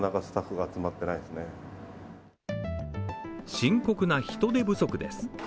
深刻な人手不足です。